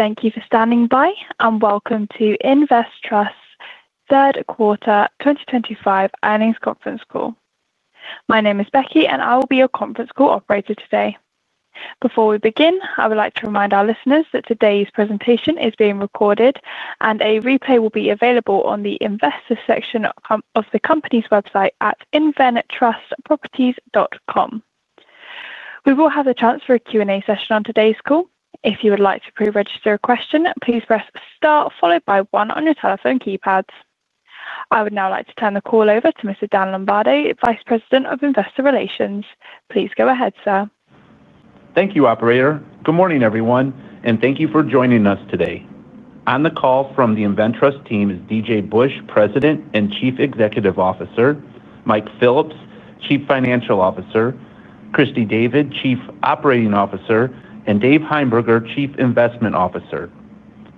Thank you for standing by and welcome to InvenTrust's third quarter 2025 earnings conference call. My name is Becky, and I will be your conference call operator today. Before we begin, I would like to remind our listeners that today's presentation is being recorded, and a replay will be available on the investor section of the company's website at inventrustproperties.com. We will have a chance for a Q&A session on today's call. If you would like to pre-register a question, please press star followed by one on your telephone keypads. I would now like to turn the call over to Mr. Dan Lombardo, Vice President of Investor Relations. Please go ahead, sir. Thank you, operator. Good morning, everyone, and thank you for joining us today. On the call from the InvenTrust team is DJ Busch, President and Chief Executive Officer, Mike Phillips, Chief Financial Officer, Christy David, Chief Operating Officer, and Dave Heimberger, Chief Investment Officer.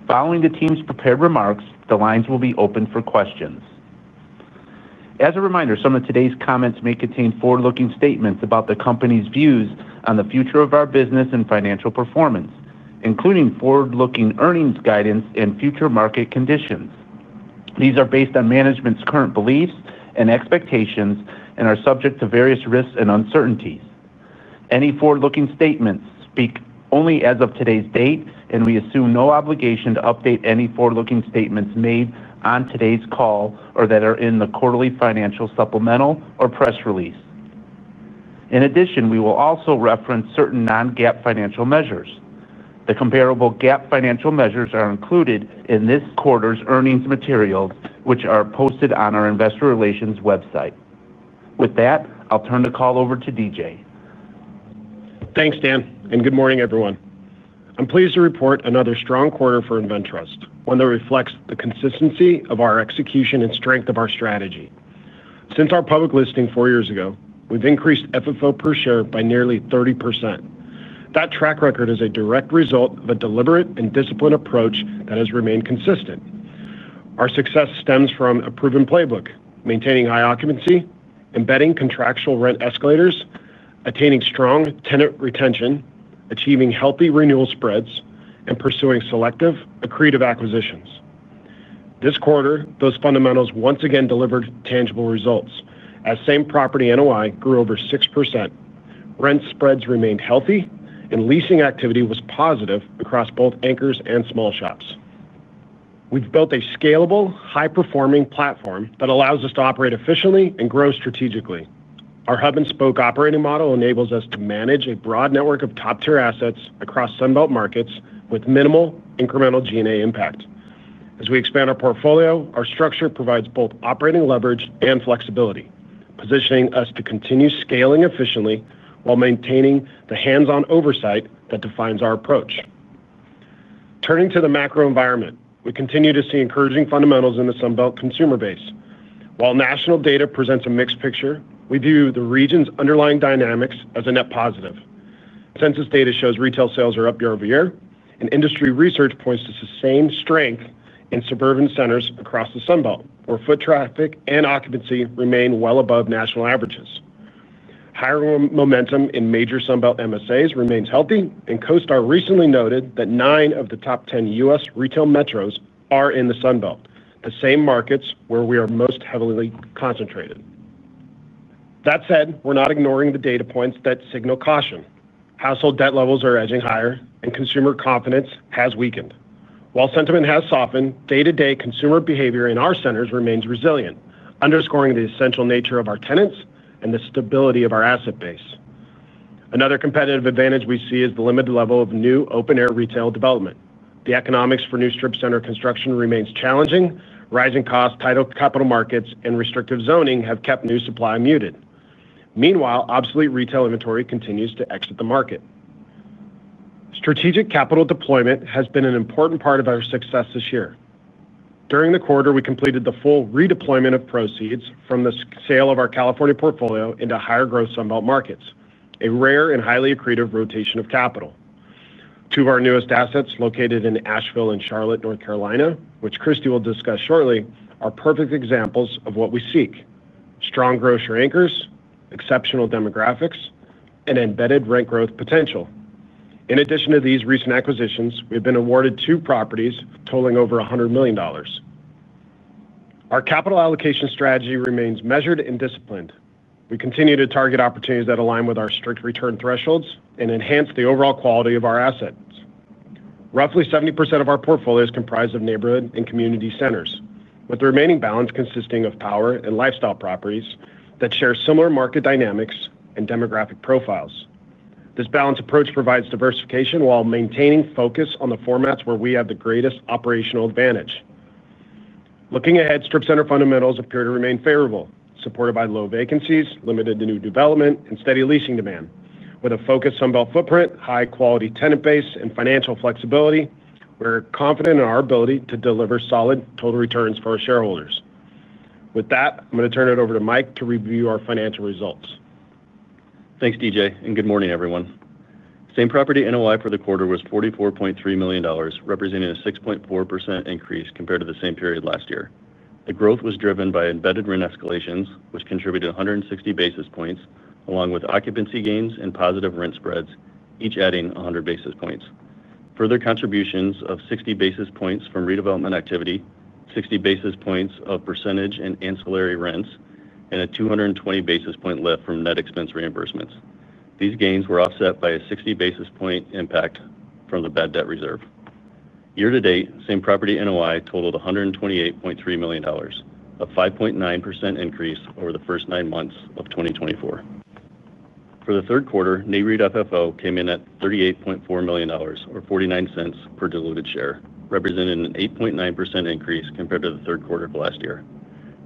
Following the team's prepared remarks, the lines will be open for questions. As a reminder, some of today's comments may contain forward-looking statements about the company's views on the future of our business and financial performance, including forward-looking earnings guidance and future market conditions. These are based on management's current beliefs and expectations and are subject to various risks and uncertainties. Any forward-looking statements speak only as of today's date, and we assume no obligation to update any forward-looking statements made on today's call or that are in the quarterly financial supplemental or press release. In addition, we will also reference certain non-GAAP financial measures. The comparable GAAP financial measures are included in this quarter's earnings materials, which are posted on our Investor Relations website. With that, I'll turn the call over to DJ. Thanks, Dan, and good morning, everyone. I'm pleased to report another strong quarter for InvenTrust, one that reflects the consistency of our execution and strength of our strategy. Since our public listing four years ago, we've increased FFO per share by nearly 30%. That track record is a direct result of a deliberate and disciplined approach that has remained consistent. Our success stems from a proven playbook: maintaining high occupancy, embedding contractual rent escalators, attaining strong tenant retention, achieving healthy renewal spreads, and pursuing selective, accretive acquisitions. This quarter, those fundamentals once again delivered tangible results, as same property NOI grew over 6%. Rent spreads remained healthy, and leasing activity was positive across both anchors and small shops. We've built a scalable, high-performing platform that allows us to operate efficiently and grow strategically. Our hub-and-spoke operating model enables us to manage a broad network of top-tier assets across Sun Belt markets with minimal incremental G&A impact. As we expand our portfolio, our structure provides both operating leverage and flexibility, positioning us to continue scaling efficiently while maintaining the hands-on oversight that defines our approach. Turning to the macro environment, we continue to see encouraging fundamentals in the Sun Belt consumer base. While national data presents a mixed picture, we view the region's underlying dynamics as a net positive. Census data shows retail sales are up year over year, and industry research points to sustained strength in suburban centers across the Sun Belt, where foot traffic and occupancy remain well above national averages. Hiring momentum in major Sun Belt MSAs remains healthy, and CoStar recently noted that nine of the top 10 U.S. retail metros are in the Sun Belt, the same markets where we are most heavily concentrated. That said, we're not ignoring the data points that signal caution. Household debt levels are edging higher, and consumer confidence has weakened. While sentiment has softened, day-to-day consumer behavior in our centers remains resilient, underscoring the essential nature of our tenants and the stability of our asset base. Another competitive advantage we see is the limited level of new open-air retail development. The economics for new strip center construction remain challenging, as rising costs, tight capital markets, and restrictive zoning have kept new supply muted. Meanwhile, obsolete retail inventory continues to exit the market. Strategic capital deployment has been an important part of our success this year. During the quarter, we completed the full redeployment of proceeds from the sale of our California portfolio into higher-growth Sun Belt markets, a rare and highly accretive rotation of capital. Two of our newest assets, located in Asheville and Charlotte, North Carolina, which Christy will discuss shortly, are perfect examples of what we seek: strong grocery anchors, exceptional demographics, and embedded rent growth potential. In addition to these recent acquisitions, we've been awarded two properties totaling over $100 million. Our capital allocation strategy remains measured and disciplined. We continue to target opportunities that align with our strict return thresholds and enhance the overall quality of our assets. Roughly 70% of our portfolio is comprised of neighborhood and community centers, with the remaining balance consisting of power and lifestyle properties that share similar market dynamics and demographic profiles. This balanced approach provides diversification while maintaining focus on the formats where we have the greatest operational advantage. Looking ahead, strip center fundamentals appear to remain favorable, supported by low vacancies, limited new development, and steady leasing demand. With a focused Sun Belt footprint, high-quality tenant base, and financial flexibility, we're confident in our ability to deliver solid total returns for our shareholders. With that, I'm going to turn it over to Mike to review our financial results. Thanks, DJ, and good morning, everyone. Same property NOI for the quarter was $44.3 million, representing a 6.4% increase compared to the same period last year. The growth was driven by embedded rent escalations, which contributed 160 basis points, along with occupancy gains and positive rent spreads, each adding 100 basis points. Further contributions of 60 basis points from redevelopment activity, 60 basis points of percentage and ancillary rents, and a 220 basis point lift from net expense reimbursements. These gains were offset by a 60 basis point impact from the bad debt reserve. Year to date, same property NOI totaled $128.3 million, a 5.9% increase over the first nine months of 2024. For the third quarter, NAREIT FFO came in at $38.4 million, or $0.49 per diluted share, representing an 8.9% increase compared to the third quarter of last year.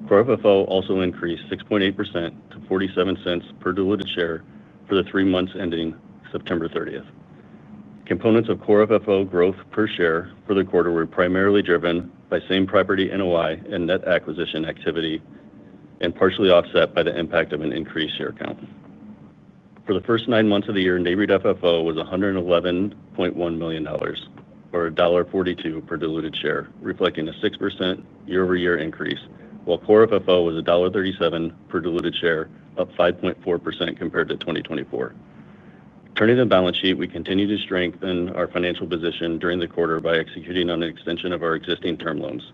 Core FFO also increased 6.8% to $0.47 per diluted share for the three months ending September 30th. Components of core FFO growth per share for the quarter were primarily driven by same property NOI and net acquisition activity, and partially offset by the impact of an increased share count. For the first nine months of the year, NAREIT FFO was $111.1 million, or $1.42 per diluted share, reflecting a 6% year-over-year increase, while core FFO was $1.37 per diluted share, up 5.4% compared to 2024. Turning to the balance sheet, we continue to strengthen our financial position during the quarter by executing on an extension of our existing term loans.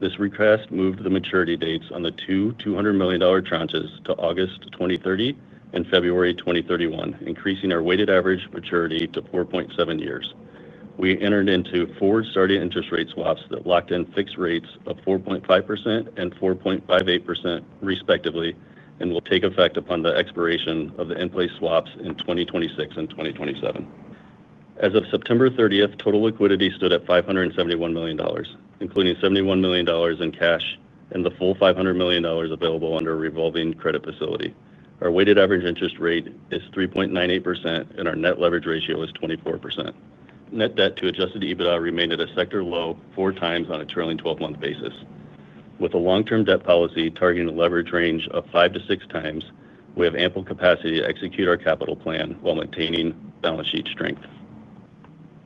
This request moved the maturity dates on the two $200 million tranches to August 2030 and February 2031, increasing our weighted average maturity to 4.7 years. We entered into four starting interest rate swaps that locked in fixed rates of 4.5% and 4.58% respectively, and will take effect upon the expiration of the in-place swaps in 2026 and 2027. As of September 30th, total liquidity stood at $571 million, including $71 million in cash and the full $500 million available under a revolving credit facility. Our weighted average interest rate is 3.98%, and our net leverage ratio is 24%. Net debt to adjusted EBITDA remained at a sector low four times on a trailing 12-month basis. With a long-term debt policy targeting a leverage range of five to six times, we have ample capacity to execute our capital plan while maintaining balance sheet strength.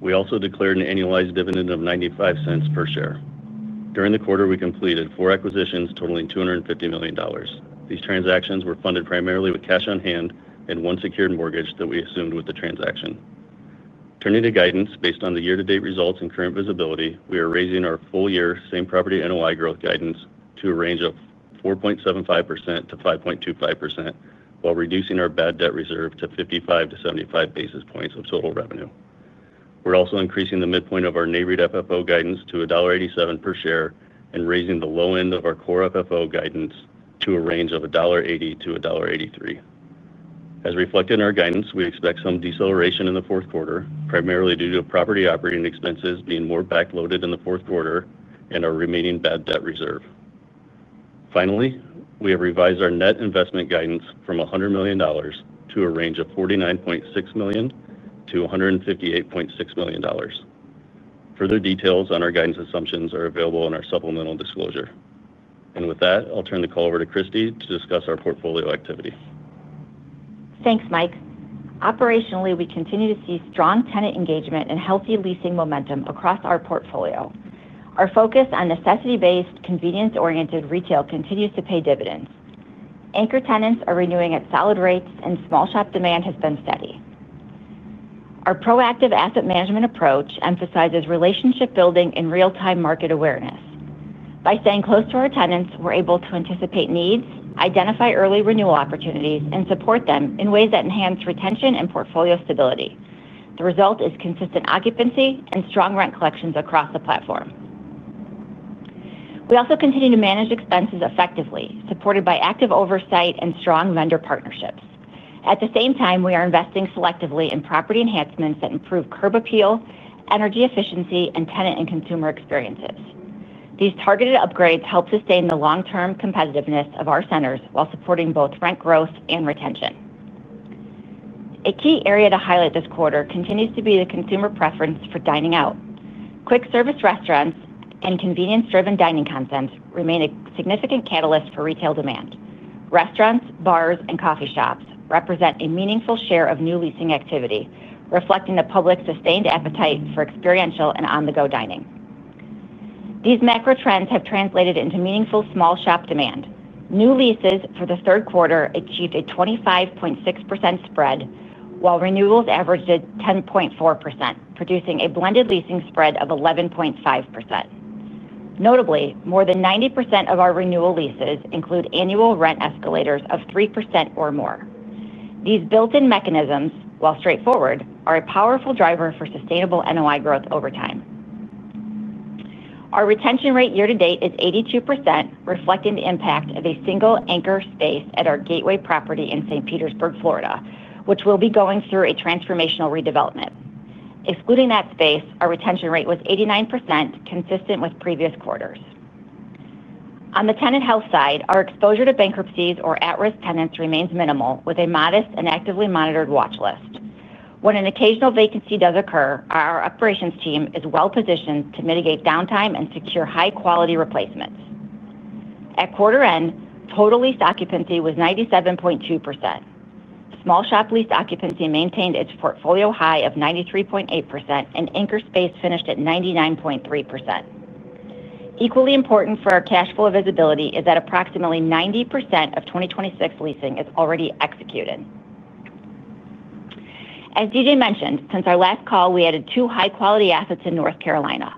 We also declared an annualized dividend of $0.95 per share. During the quarter, we completed four acquisitions totaling $250 million. These transactions were funded primarily with cash on hand and one secured mortgage that we assumed with the transaction. Turning to guidance, based on the year-to-date results and current visibility, we are raising our full-year same property NOI growth guidance to a range of 4.75%-5.25%, while reducing our bad debt reserve to 55 basis points-75 basis points of total revenue. We're also increasing the midpoint of our NAREIT FFO guidance to $1.87 per share and raising the low end of our core FFO guidance to a range of $1.80-$1.83. As reflected in our guidance, we expect some deceleration in the fourth quarter, primarily due to property operating expenses being more backloaded in the fourth quarter and our remaining bad debt reserve. Finally, we have revised our net investment guidance from $100 million to a range of $49.6 million-$158.6 million. Further details on our guidance assumptions are available in our supplemental disclosure. With that, I'll turn the call over to Christy to discuss our portfolio activity. Thanks, Mike. Operationally, we continue to see strong tenant engagement and healthy leasing momentum across our portfolio. Our focus on necessity-based, convenience-oriented retail continues to pay dividends. Anchor tenants are renewing at solid rates, and small shop demand has been steady. Our proactive asset management approach emphasizes relationship building and real-time market awareness. By staying close to our tenants, we're able to anticipate needs, identify early renewal opportunities, and support them in ways that enhance retention and portfolio stability. The result is consistent occupancy and strong rent collections across the platform. We also continue to manage expenses effectively, supported by active oversight and strong vendor partnerships. At the same time, we are investing selectively in property enhancements that improve curb appeal, energy efficiency, and tenant and consumer experiences. These targeted upgrades help sustain the long-term competitiveness of our centers while supporting both rent growth and retention. A key area to highlight this quarter continues to be the consumer preference for dining out. Quick service restaurants and convenience-driven dining content remain a significant catalyst for retail demand. Restaurants, bars, and coffee shops represent a meaningful share of new leasing activity, reflecting the public's sustained appetite for experiential and on-the-go dining. These macro trends have translated into meaningful small shop demand. New leases for the third quarter achieved a 25.6% spread, while renewals averaged at 10.4%, producing a blended leasing spread of 11.5%. Notably, more than 90% of our renewal leases include annual rent escalators of 3% or more. These built-in mechanisms, while straightforward, are a powerful driver for sustainable NOI growth over time. Our retention rate year to date is 82%, reflecting the impact of a single anchor space at our Gateway property in St. Petersburg, Florida, which will be going through a transformational redevelopment. Excluding that space, our retention rate was 89%, consistent with previous quarters. On the tenant health side, our exposure to bankruptcies or at-risk tenants remains minimal, with a modest and actively monitored watch list. When an occasional vacancy does occur, our operations team is well-positioned to mitigate downtime and secure high-quality replacements. At quarter end, total leased occupancy was 97.2%. Small shop leased occupancy maintained its portfolio high of 93.8%, and anchor space finished at 99.3%. Equally important for our cash flow visibility is that approximately 90% of 2026 leasing is already executed. As DJ mentioned, since our last call, we added two high-quality assets in North Carolina: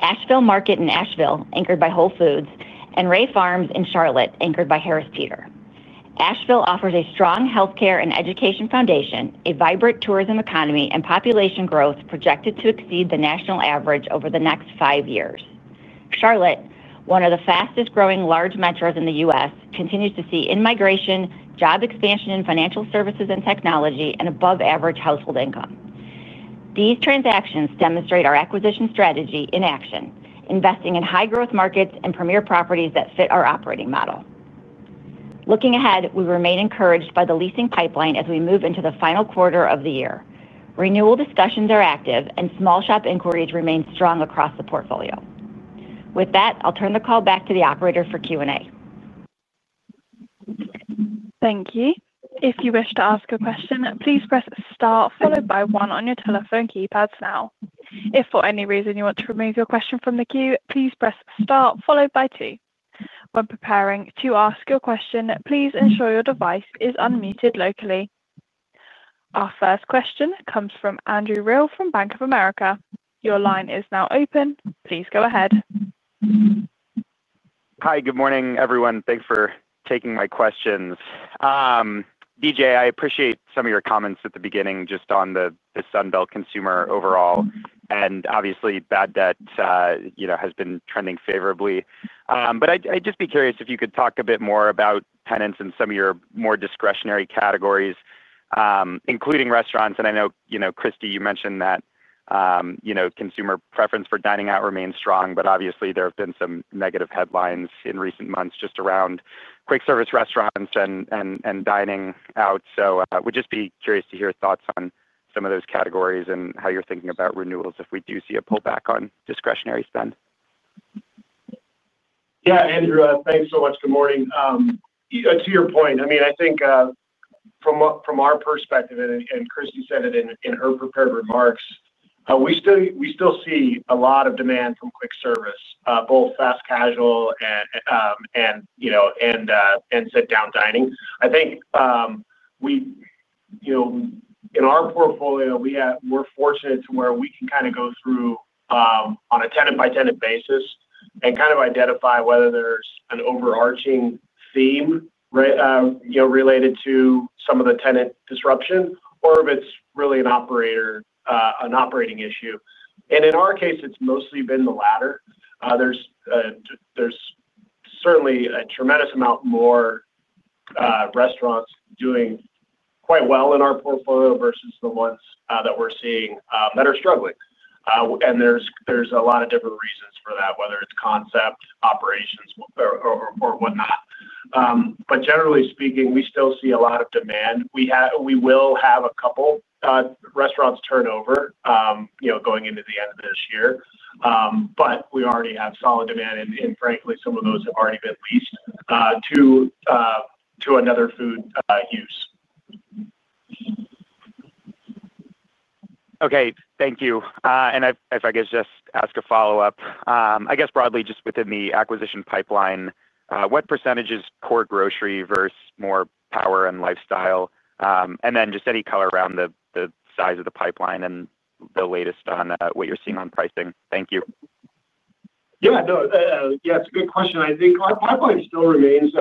Asheville Market in Asheville, anchored by Whole Foods, and Ray Farms in Charlotte, anchored by Harris Teeter. Asheville offers a strong healthcare and education foundation, a vibrant tourism economy, and population growth projected to exceed the national average over the next five years. Charlotte, one of the fastest growing large metros in the U.S., continues to see in-migration, job expansion in financial services and technology, and above-average household income. These transactions demonstrate our acquisition strategy in action, investing in high-growth markets and premier properties that fit our operating model. Looking ahead, we remain encouraged by the leasing pipeline as we move into the final quarter of the year. Renewal discussions are active, and small shop inquiries remain strong across the portfolio. With that, I'll turn the call back to the operator for Q&A. Thank you. If you wish to ask a question, please press star followed by one on your telephone keypads now. If for any reason you want to remove your question from the queue, please press star followed by two. When preparing to ask your question, please ensure your device is unmuted locally. Our first question comes from Andrew Reale from Bank of America. Your line is now open. Please go ahead. Hi, good morning, everyone. Thanks for taking my questions. DJ, I appreciate some of your comments at the beginning just on the Sun Belt consumer overall, and obviously bad debt has been trending favorably. I'd just be curious if you could talk a bit more about tenants in some of your more discretionary categories, including restaurants. I know, Christy, you mentioned that consumer preference for dining out remains strong, but obviously there have been some negative headlines in recent months just around quick service restaurants and dining out. We'd just be curious to hear thoughts on some of those categories and how you're thinking about renewals if we do see a pullback on discretionary spend. Yeah, Andrew, thanks so much. Good morning. To your point, I mean, I think from our perspective, and Christy said it in her prepared remarks, we still see a lot of demand from quick service, both fast casual and sit-down dining. I think, in our portfolio, we're fortunate to where we can kind of go through on a tenant-by-tenant basis and identify whether there's an overarching theme related to some of the tenant disruption or if it's really an operator, an operating issue. In our case, it's mostly been the latter. There's certainly a tremendous amount more restaurants doing quite well in our portfolio versus the ones that we're seeing that are struggling. There's a lot of different reasons for that, whether it's concept, operations, or whatnot. Generally speaking, we still see a lot of demand. We will have a couple restaurants turnover going into the end of this year, but we already have solid demand and, frankly, some of those have already been leased to another food use. Okay, thank you. If I could just ask a follow-up, I guess broadly just within the acquisition pipeline, what percentage is core grocery versus more power and lifestyle? Also, any color around the size of the pipeline and the latest on what you're seeing on pricing. Thank you. Yeah, it's a good question. I think our pipeline still remains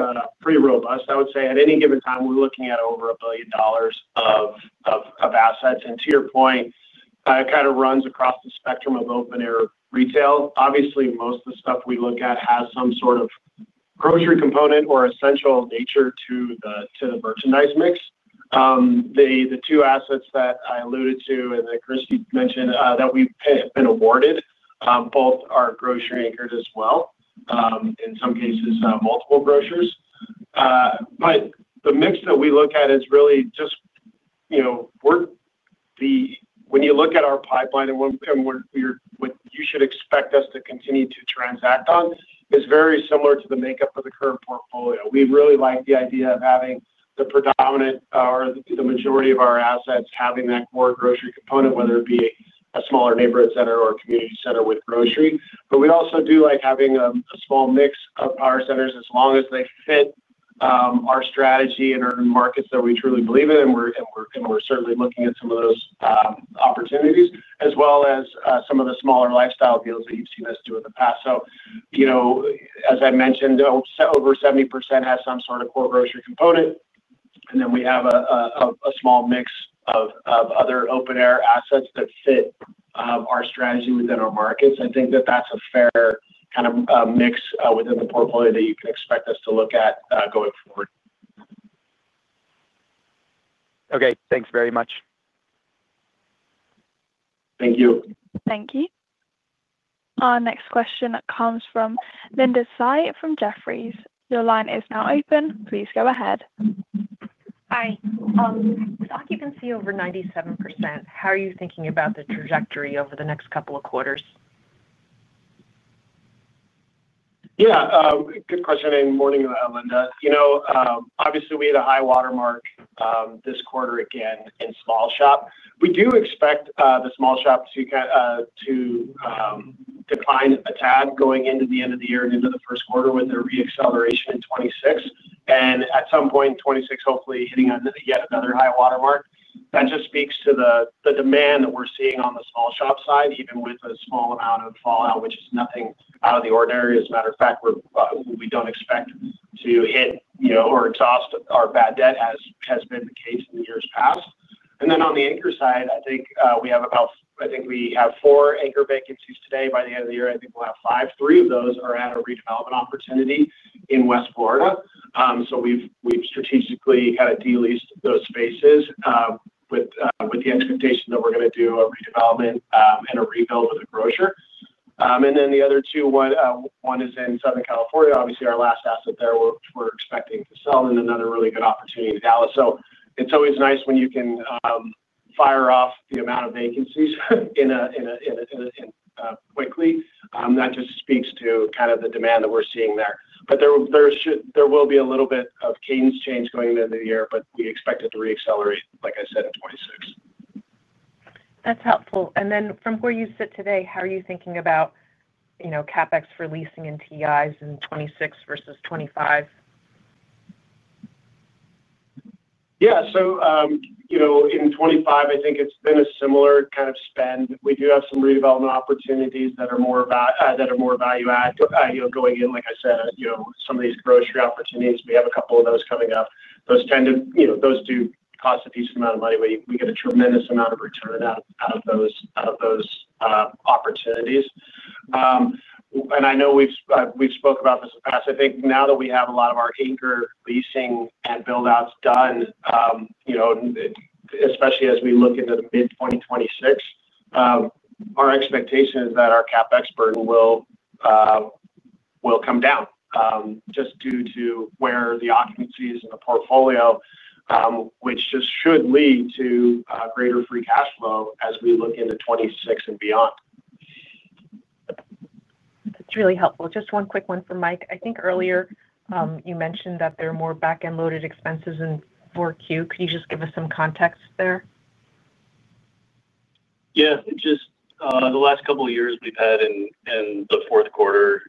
pretty robust. I would say at any given time, we're looking at over $1 billion of assets. To your point, it kind of runs across the spectrum of open-air retail. Obviously, most of the stuff we look at has some sort of grocery component or essential nature to the merchandise mix. The two assets that I alluded to and that Christy mentioned, that we've been awarded, both are grocery-anchored as well, in some cases, multiple grocers. The mix that we look at is really just, you know, when you look at our pipeline and what you should expect us to continue to transact on, is very similar to the makeup of the current portfolio. We really like the idea of having the predominant or the majority of our assets having that core grocery component, whether it be a smaller neighborhood center or a community center with grocery. We also do like having a small mix of power centers as long as they fit our strategy and our markets that we truly believe in. We're certainly looking at some of those opportunities, as well as some of the smaller lifestyle deals that you've seen us do in the past. As I mentioned, over 70% has some sort of core grocery component. We have a small mix of other open-air assets that fit our strategy within our markets. I think that that's a fair kind of mix within the portfolio that you can expect us to look at going forward. Okay, thanks very much. Thank you. Thank you. Our next question comes from Linda Tsai from Jefferies. Your line is now open. Please go ahead. Hi. With occupancy over 97%, how are you thinking about the trajectory over the next couple of quarters? Yeah, good question. Morning, Linda. You know, obviously, we had a high watermark this quarter again in small shop. We do expect the small shop to kind of decline a tad going into the end of the year and into the first quarter with a reacceleration in 2026. At some point in 2026, hopefully hitting yet another high watermark. That just speaks to the demand that we're seeing on the small shop side, even with a small amount of fallout, which is nothing out of the ordinary. As a matter of fact, we don't expect to hit or exhaust our bad debt as has been the case in the years past. On the anchor side, I think we have about, I think we have four anchor vacancies today. By the end of the year, I think we'll have five. Three of those are at a redevelopment opportunity in West Florida. We've strategically kind of de-leased those spaces with the expectation that we're going to do a redevelopment and a rebuild of the grocer. The other two, one is in Southern California. Obviously, our last asset there we're expecting to sell and another really good opportunity in Dallas. It's always nice when you can fire off the amount of vacancies quickly. That just speaks to the demand that we're seeing there. There will be a little bit of cadence change going into the year, but we expect it to reaccelerate, like I said, in 2026. That's helpful. From where you sit today, how are you thinking about CapEx for leasing and TIs in 2026 versus 2025? Yeah, so, you know, in 2025, I think it's been a similar kind of spend. We do have some redevelopment opportunities that are more value-added, you know, going in, like I said, you know, some of these grocery opportunities. We have a couple of those coming up. Those tend to, you know, those do cost a decent amount of money. We get a tremendous amount of return out of those opportunities. I know we've spoken about this in the past. I think now that we have a lot of our anchor leasing and build-outs done, you know, and especially as we look into mid-2026, our expectation is that our CapEx burden will come down, just due to where the occupancy is in the portfolio, which should lead to greater free cash flow as we look into 2026 and beyond. That's really helpful. Just one quick one for Mike. I think earlier, you mentioned that there are more back-end loaded expenses in for Q4. Could you just give us some context there? Yeah, just the last couple of years we've had in the fourth quarter,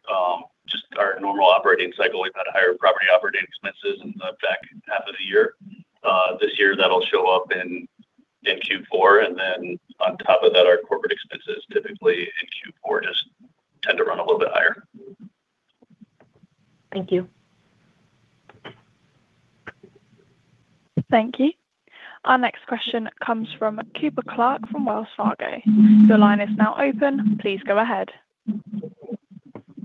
just our normal operating cycle, we've had higher property operating expenses in the back half of the year. This year, that'll show up in Q4. On top of that, our corporate expenses typically in Q4 just tend to run a little bit higher. Thank you. Thank you. Our next question comes from Cooper Clark from Wells Fargo. Your line is now open. Please go ahead.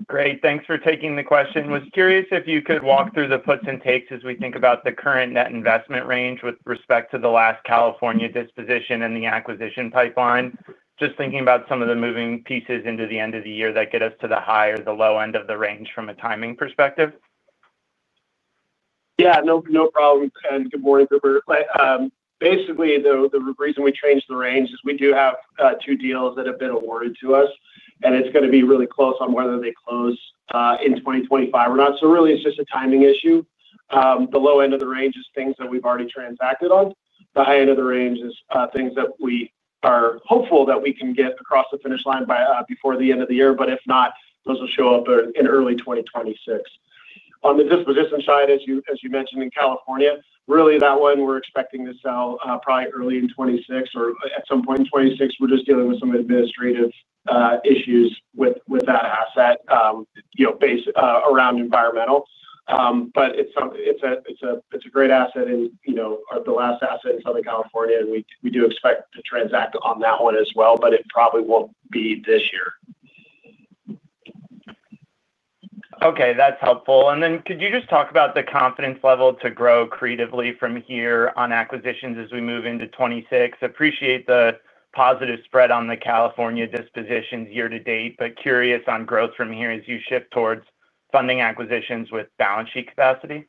Great. Thanks for taking the question. I was curious if you could walk through the puts and takes as we think about the current net investment range with respect to the last California disposition and the acquisition pipeline, just thinking about some of the moving pieces into the end of the year that get us to the high or the low end of the range from a timing perspective? Yeah, no problem. Good morning, Cooper. Basically, the reason we changed the range is we do have two deals that have been awarded to us, and it's going to be really close on whether they close in 2025 or not. It's just a timing issue. The low end of the range is things that we've already transacted on. The high end of the range is things that we are hopeful that we can get across the finish line before the end of the year. If not, those will show up in early 2026. On the disposition side, as you mentioned in California, that one we're expecting to sell probably early in 2026 or at some point in 2026. We're just dealing with some administrative issues with that asset, based around environmental. It's a great asset, the last asset in Southern California, and we do expect to transact on that one as well, but it probably won't be this year. Okay, that's helpful. Could you just talk about the confidence level to grow creatively from here on acquisitions as we move into 2026? Appreciate the positive spread on the California dispositions year to date, but curious on growth from here as you shift towards funding acquisitions with balance sheet capacity.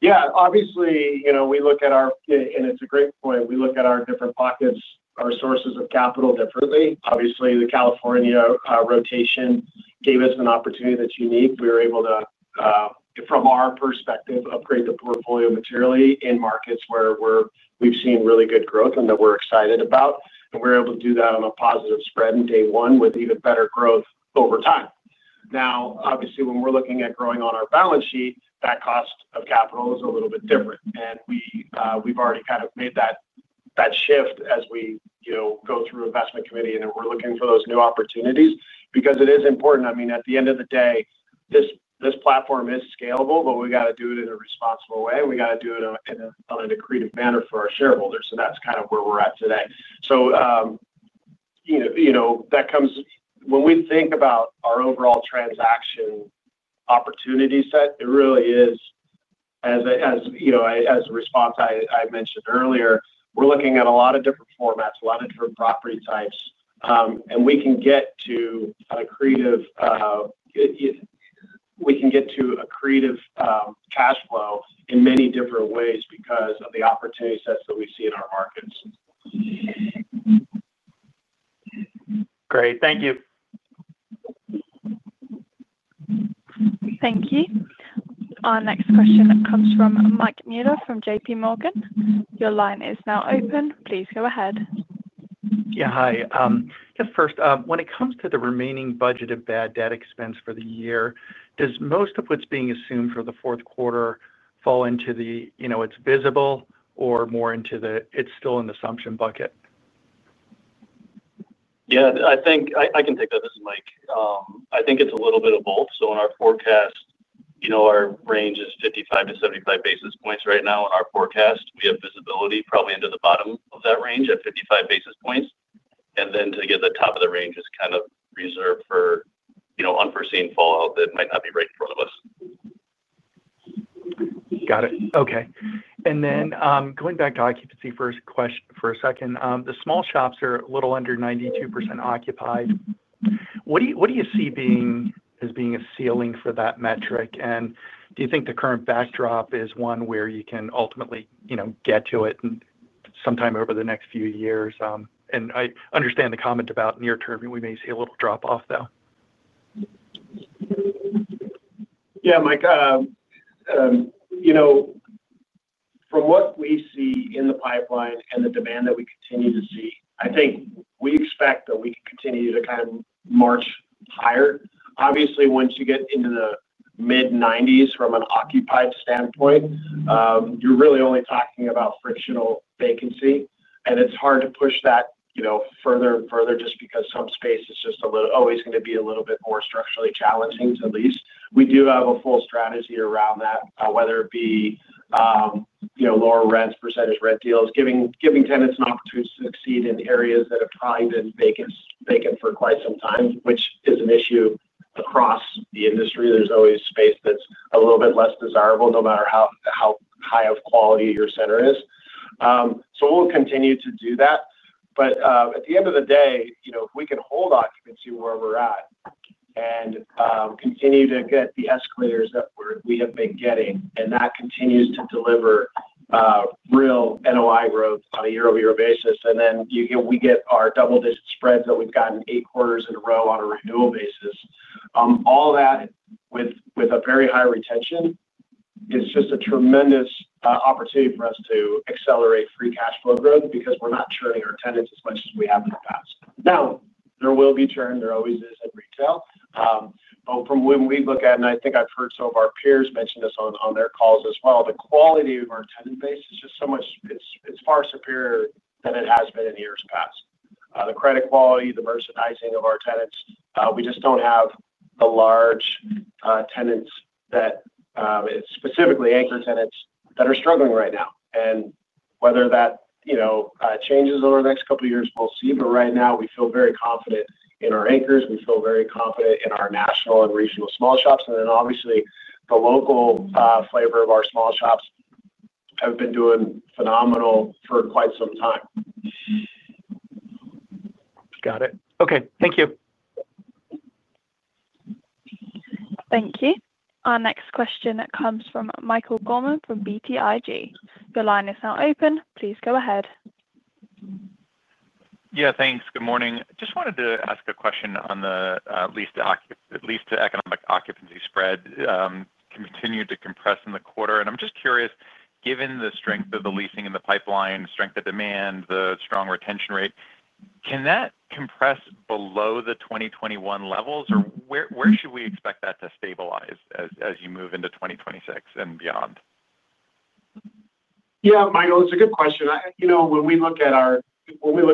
Yeah, obviously, we look at our, and it's a great point. We look at our different pockets, our sources of capital differently. Obviously, the California rotation gave us an opportunity that's unique. We were able to, from our perspective, upgrade the portfolio materially in markets where we've seen really good growth and that we're excited about. We were able to do that on a positive spread in day one with even better growth over time. Now, obviously, when we're looking at growing on our balance sheet, that cost of capital is a little bit different. We've already kind of made that shift as we go through investment committee and then we're looking for those new opportunities because it is important. At the end of the day, this platform is scalable, but we got to do it in a responsible way. We got to do it in a creative manner for our shareholders. That's kind of where we're at today. That comes when we think about our overall transaction opportunity set. It really is, as you know, as a response I mentioned earlier, we're looking at a lot of different formats, a lot of different property types. We can get to a creative cash flow in many different ways because of the opportunity sets that we see in our markets. Great. Thank you. Thank you. Our next question comes from Mike Mueller from JPMorgan. Your line is now open. Please go ahead. Yeah, hi. First, when it comes to the remaining budgeted bad debt expense for the year, does most of what's being assumed for the fourth quarter fall into the, you know, it's visible or more into the, it's still an assumption bucket? I think I can take that, this is Mike. I think it's a little bit of both. In our forecast, our range is 55 basis points-75 basis points right now. In our forecast, we have visibility probably into the bottom of that range at 55 basis points. To get to the top of the range is kind of reserved for unforeseen fallout that might not be right in front of us. Got it. Okay. Going back to occupancy for a second, the small shops are a little under 92% occupied. What do you see as being a ceiling for that metric? Do you think the current backdrop is one where you can ultimately get to it sometime over the next few years? I understand the comment about near term, we may see a little drop-off, though. Yeah, Mike, from what we see in the pipeline and the demand that we continue to see, I think we expect that we can continue to kind of march higher. Obviously, once you get into the mid-90s from an occupied standpoint, you're really only talking about frictional vacancy. It's hard to push that further and further just because some space is always going to be a little bit more structurally challenging to lease. We do have a full strategy around that, whether it be lower rents, percentage rent deals, giving tenants an opportunity to succeed in areas that have probably been vacant for quite some time, which is an issue across the industry. There's always space that's a little bit less desirable no matter how high of quality your center is. We'll continue to do that. At the end of the day, if we can hold occupancy where we're at and continue to get the escalators that we have been getting, and that continues to deliver real NOI growth on a year-over-year basis, and then we get our double-digit spreads that we've gotten eight quarters in a row on a renewal basis, all that with a very high retention is just a tremendous opportunity for us to accelerate free cash flow growth because we're not churning our tenants as much as we have in the past. There will be churn. There always is in retail. From when we look at, and I think I've heard some of our peers mention this on their calls as well, the quality of our tenant base is just so much, it's far superior than it has been in years past. The credit quality, the merchandising of our tenants, we just don't have the large tenants, specifically anchor tenants, that are struggling right now. Whether that changes over the next couple of years, we'll see. Right now, we feel very confident in our anchors. We feel very confident in our national and regional small shops. Obviously, the local flavor of our small shops have been doing phenomenal for quite some time. Got it. Okay, thank you. Thank you. Our next question comes from Michael Gorman from BTIG. Your line is now open. Please go ahead. Yeah, thanks. Good morning. I just wanted to ask a question on the lease-to-economic occupancy spread. It continued to compress in the quarter. I'm just curious, given the strength of the leasing in the pipeline, strength of demand, the strong retention rate, can that compress below the 2021 levels, or where should we expect that to stabilize as you move into 2026 and beyond? Yeah, Michael, it's a good question. When we look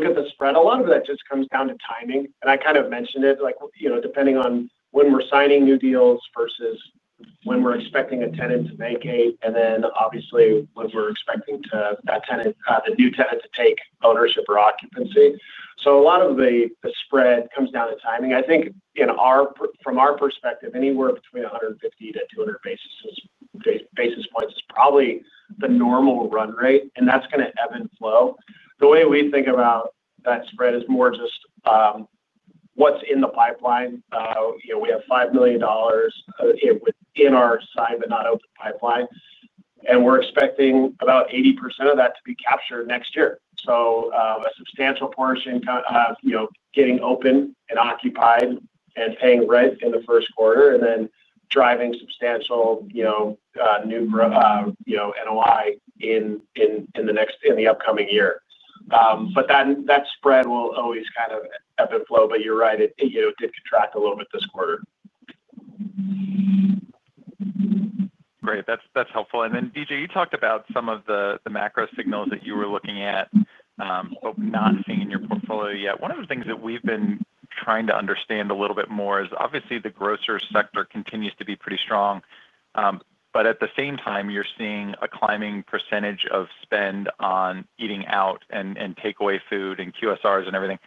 at the spread, a lot of that just comes down to timing. I kind of mentioned it, depending on when we're signing new deals versus when we're expecting a tenant to vacate, and then obviously when we're expecting that tenant, the new tenant, to take ownership or occupancy. A lot of the spread comes down to timing. I think from our perspective, anywhere between 150 basis points-200 basis points is probably the normal run rate, and that's going to ebb and flow. The way we think about that spread is more just what's in the pipeline. We have $5 million in our signed but not open pipeline, and we're expecting about 80% of that to be captured next year. A substantial portion is getting open and occupied and paying rent in the first quarter and then driving substantial new NOI in the upcoming year. That spread will always kind of ebb and flow, but you're right, it did contract a little bit this quarter. Great. That's helpful. DJ, you talked about some of the macro signals that you were looking at, but not seeing in your portfolio yet. One of the things that we've been trying to understand a little bit more is obviously the grocer sector continues to be pretty strong, but at the same time, you're seeing a climbing percentage of spend on eating out and takeaway food and QSRs and everything.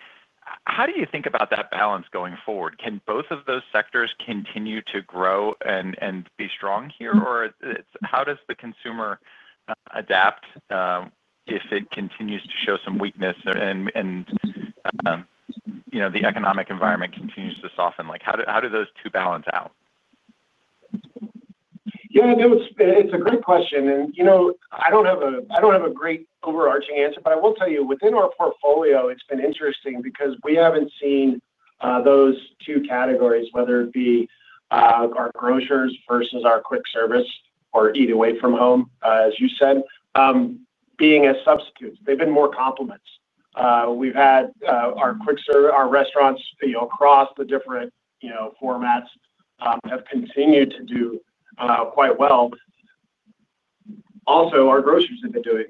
How do you think about that balance going forward? Can both of those sectors continue to grow and be strong here, or how does the consumer adapt if it continues to show some weakness and, you know, the economic environment continues to soften? How do those two balance out? Yeah, no, it's a great question. I don't have a great overarching answer, but I will tell you, within our portfolio, it's been interesting because we haven't seen those two categories, whether it be our grocers versus our quick service or eat away from home, as you said, being a substitute. They've been more complements. We've had our quick service, our restaurants, across the different formats, continue to do quite well. Also, our grocers have been doing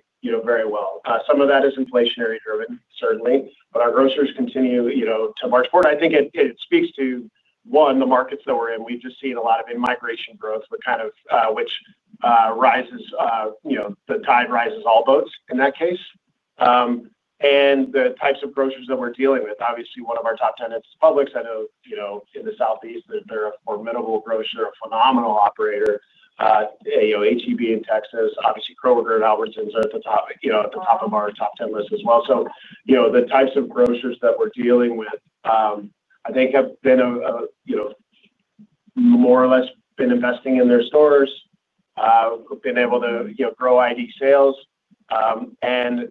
very well. Some of that is inflationary-driven, certainly, but our grocers continue to march forward. I think it speaks to, one, the markets that we're in. We've just seen a lot of in-migration growth, which kind of rises, you know, the tide rises all boats in that case, and the types of grocers that we're dealing with. Obviously, one of our top tenants is Publix. I know in the Southeast, they're a formidable grocer, a phenomenal operator. H-E-B in Texas, obviously, Kroger and Albertsons are at the top of our top ten list as well. The types of grocers that we're dealing with, I think, have more or less been investing in their stores, been able to grow ID sales.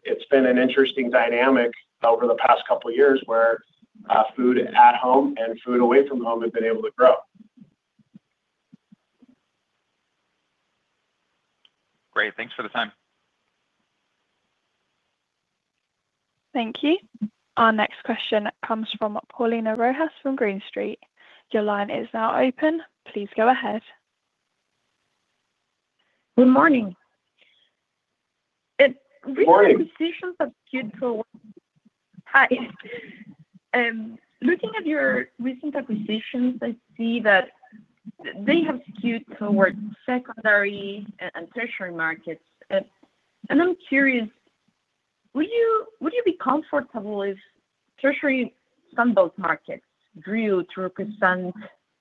It's been an interesting dynamic over the past couple of years where food at home and food away from home have been able to grow. Great. Thanks for the time. Thank you. Our next question comes from Paulina Rojas from Green Street. Your line is now open. Please go ahead. Good morning. Good morning. Looking at your recent acquisitions, I see that they have skewed towards secondary and tertiary markets. I'm curious, would you be comfortable if tertiary Sun Belt markets grew to represent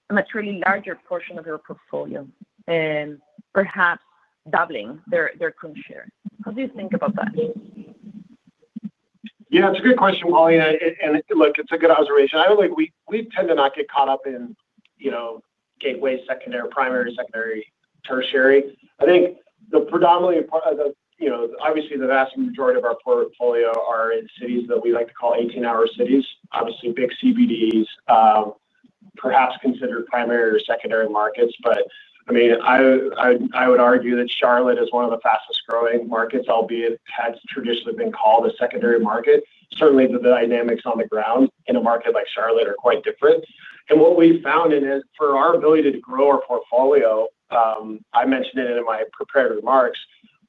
a much larger portion of your portfolio and perhaps doubling their current share? How do you think about that? Yeah, it's a good question, Paulina. It's a good observation. I don't think we tend to not get caught up in, you know, gateway, secondary, primary, secondary, tertiary. I think the predominant part of the, you know, obviously, the vast majority of our portfolio are in cities that we like to call 18-hour cities, obviously big CBDs, perhaps considered primary or secondary markets. I would argue that Charlotte is one of the fastest growing markets, albeit it has traditionally been called a secondary market. Certainly, the dynamics on the ground in a market like Charlotte are quite different. What we found in it for our ability to grow our portfolio, I mentioned it in my prepared remarks,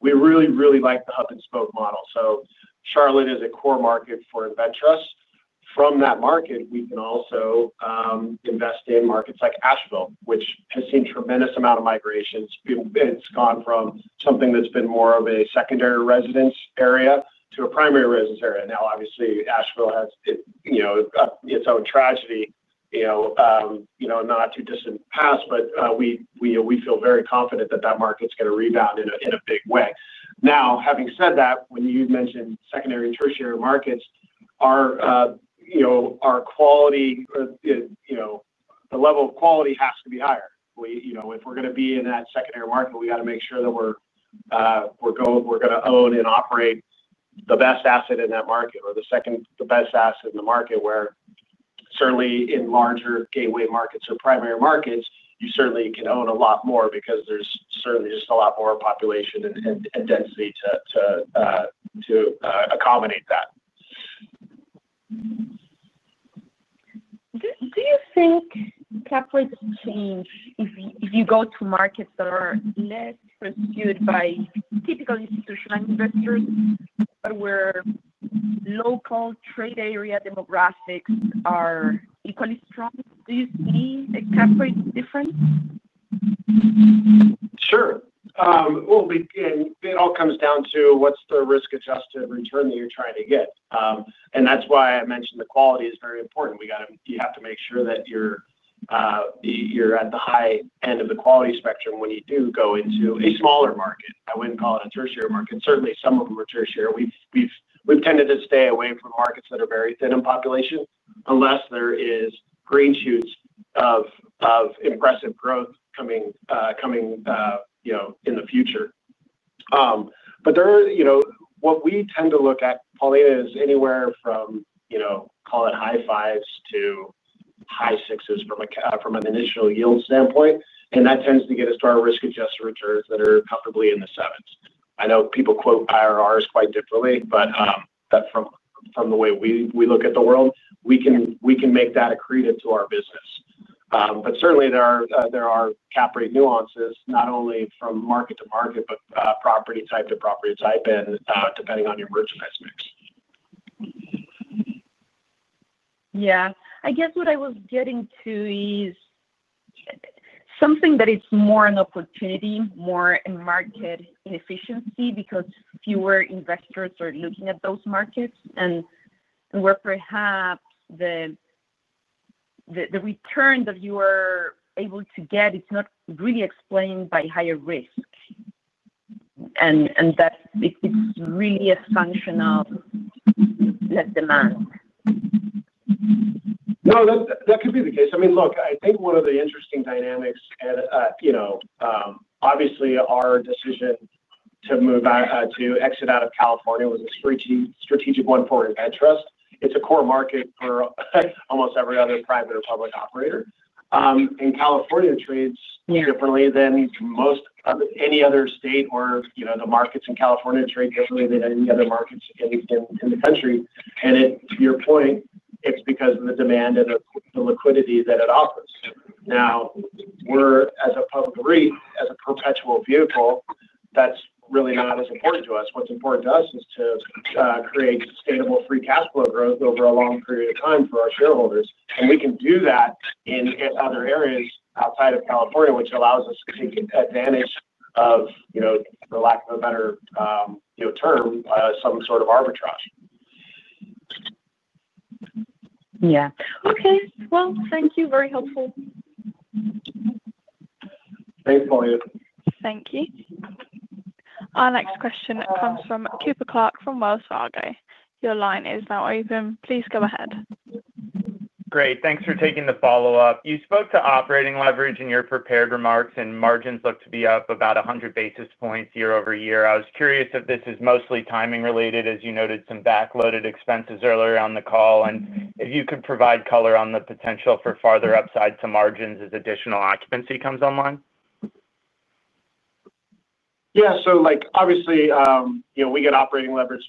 we really, really like the hub-and-spoke model. Charlotte is a core market for InvenTrust. From that market, we can also invest in markets like Asheville, which has seen a tremendous amount of migrations. It's gone from something that's been more of a secondary residence area to a primary residence area. Now, obviously, Asheville has its own tragedy in the not too distant past, but we feel very confident that that market's going to rebound in a big way. Now, having said that, when you mention secondary and tertiary markets, our quality or the level of quality has to be higher. If we're going to be in that secondary market, we got to make sure that we're going to own and operate the best asset in that market or the second best asset in the market, where certainly in larger gateway markets or primary markets, you certainly can own a lot more because there's just a lot more population and density to accommodate that. Do you think cap rates change if you go to markets that are less pursued by typical institutional investors, but where local trade area demographics are equally strong? Do you see a cap rate difference? Sure. It all comes down to what's the risk-adjusted return that you're trying to get. That's why I mentioned the quality is very important. You have to make sure that you're at the high end of the quality spectrum when you do go into a smaller market. I wouldn't call it a tertiary market. Certainly, some of them are tertiary. We've tended to stay away from markets that are very thin in population unless there are green shoots of impressive growth coming in the future. There are, you know, what we tend to look at, Paulina, is anywhere from, call it high fives to high sixes from an initial yield standpoint. That tends to get us to our risk-adjusted returns that are comfortably in the sevens. I know people quote IRRs quite differently, but from the way we look at the world, we can make that accretive to our business. Certainly, there are cap rate nuances not only from market to market, but property type to property type and depending on your merchandise mix. Yeah. I guess what I was getting to is something that is more an opportunity, more in market inefficiency because fewer investors are looking at those markets, where perhaps the return that you are able to get is not really explained by higher risk. It's really a function of less demand. No, that could be the case. I mean, look, I think one of the interesting dynamics and, you know, obviously, our decision to move out to exit out of California was a strategic one for InvenTrust. It's a core market for almost every other private or public operator. California trades differently than most any other state or, you know, the markets in California trade differently than any other markets in the country. It, to your point, is because of the demand and the liquidity that it offers. Now, we're, as a public arena, as a perpetual vehicle, that's really not as important to us. What's important to us is to create sustainable free cash flow growth over a long period of time for our shareholders. We can do that in other areas outside of California, which allows us to take advantage of, you know, for lack of a better term, some sort of arbitrage. Yeah. Okay. Thank you. Very helpful. Thanks, Paulina. Thank you. Our next question comes from Cooper Clark from Wells Fargo. Your line is now open. Please go ahead. Great. Thanks for taking the follow-up. You spoke to operating leverage in your prepared remarks, and margins look to be up about 100 basis points year over year. I was curious if this is mostly timing related, as you noted some backloaded expenses earlier on the call, and if you could provide color on the potential for farther upside to margins as additional occupancy comes online? Yeah. Obviously, you know, we get operating leverage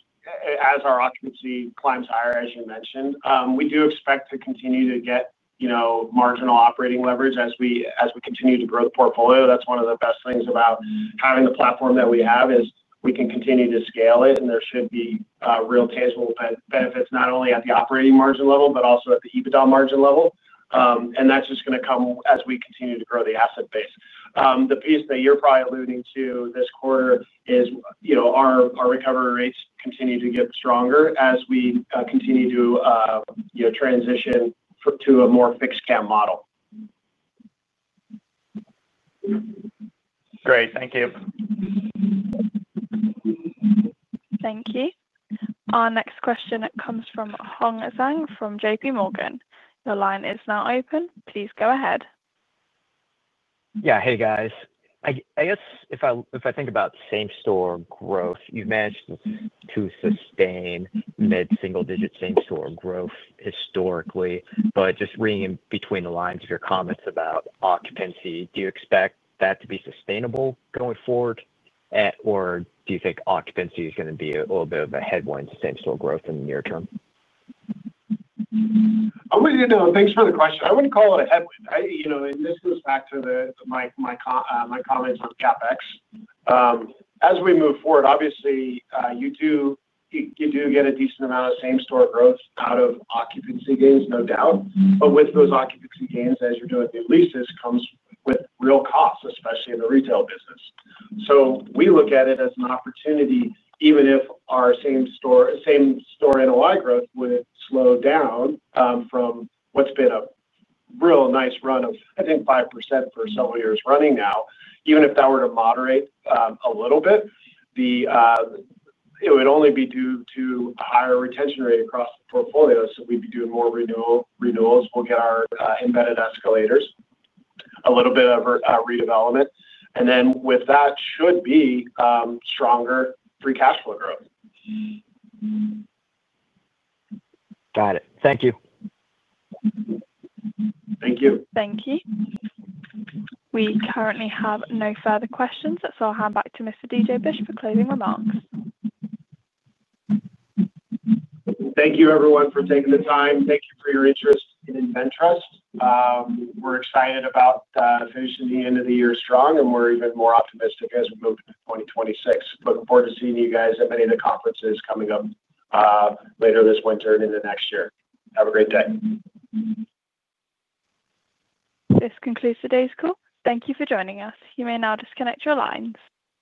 as our occupancy climbs higher, as you mentioned. We do expect to continue to get, you know, marginal operating leverage as we continue to grow the portfolio. That's one of the best things about having the platform that we have, as we can continue to scale it, and there should be real tangible benefits not only at the operating margin level, but also at the EBITDA margin level. That's just going to come as we continue to grow the asset base. The piece that you're probably alluding to this quarter is, you know, our recovery rates continue to get stronger as we continue to, you know, transition to a more fixed-cap model. Great. Thank you. Thank you. Our next question comes from Hong Zhang from JPMorgan. Your line is now open. Please go ahead. Yeah. Hey, guys. I guess if I think about same-store growth, you've managed to sustain mid-single-digit same-store growth historically. Just reading in between the lines of your comments about occupancy, do you expect that to be sustainable going forward, or do you think occupancy is going to be a little bit of a headwind to same-store growth in the near term? No, thanks for the question. I wouldn't call it a headwind. This goes back to my comments on CapEx. As we move forward, obviously, you do get a decent amount of same-store growth out of occupancy gains, no doubt. With those occupancy gains, as you're doing new leases, it comes with real costs, especially in the retail business. We look at it as an opportunity, even if our same-store NOI growth would slow down from what's been a real nice run of, I think, 5% for several years running now. Even if that were to moderate a little bit, it would only be due to a higher retention rate across the portfolio. We'd be doing more renewals. We'll get our embedded escalators, a little bit of redevelopment, and with that should be stronger free cash flow growth. Got it. Thank you. Thank you. Thank you. We currently have no further questions, so I'll hand back to Mr. DJ Busch for closing remarks. Thank you, everyone, for taking the time. Thank you for your interest in InvenTrust. We're excited about finishing the end of the year strong, and we're even more optimistic as we move into 2026. Looking forward to seeing you guys at many of the conferences coming up later this winter and in the next year. Have a great day. This concludes today's call. Thank you for joining us. You may now disconnect your lines.